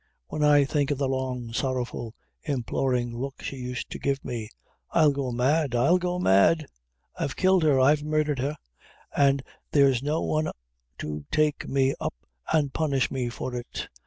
when I think of the long, sorrowful, implorin' look she used to give me. I'll go mad! I'll go mad! I've killed her I've murdhered her, an' there's no one to take me up an' punish me for it!